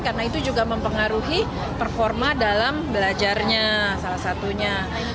karena itu juga mempengaruhi performa dalam belajarnya salah satunya